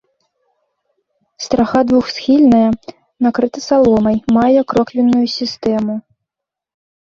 Страха двухсхільная, накрыта саломай, мае кроквенную сістэму.